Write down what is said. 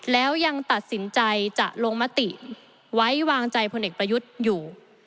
แล้วยังตัดสินใจจะลงมติไว้วางใจพลเอกประยุทธ์อยู่